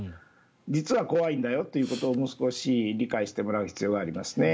実は怖いんだよということをもう少し理解してもらう必要がありますね。